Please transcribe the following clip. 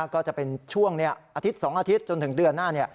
ก็จะเป็นช่วงอาทิตย์๒อาทิตย์จนถึงเดือนหน้า